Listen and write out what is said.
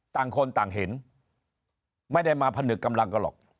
ต่างคนต่างเห็นไม่ได้มาผนึกกำลังกันหรอก